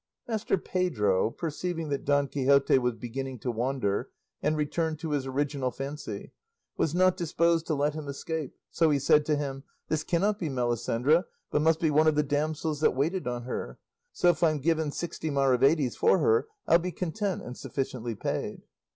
Master Pedro, perceiving that Don Quixote was beginning to wander, and return to his original fancy, was not disposed to let him escape, so he said to him, "This cannot be Melisendra, but must be one of the damsels that waited on her; so if I'm given sixty maravedis for her, I'll be content and sufficiently paid."